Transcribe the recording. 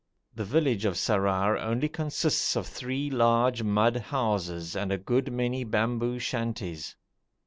The village of Sarrar only consists of three large mud houses and a good many bamboo shanties.